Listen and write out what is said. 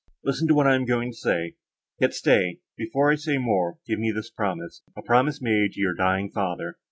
Listen to what I am going to say.—Yet stay—before I say more give me this promise, a promise made to your dying father!"